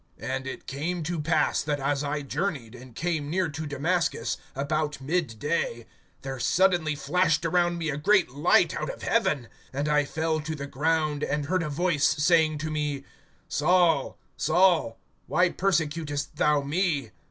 (6)And it came to pass, that as I journeyed, and came near to Damascus, about midday, there suddenly flashed around me a great light out of heaven. (7)And I fell to the ground, and heard a voice saying to me: Saul, Saul, why persecutest thou me?